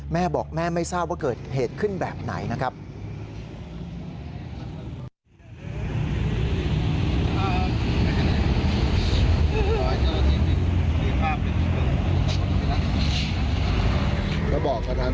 แม่บอกแม่ไม่ทราบว่าเกิดเหตุขึ้นแบบไหนนะครับ